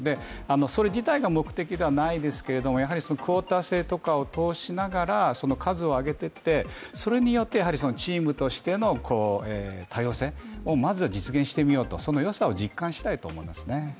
それ自体が目的ではないですけれどもクオータ制とかを通しながら数を上げてってそれによってチームとしての多様性をまず実現してみようと、そのよさを実感したいと思いますね。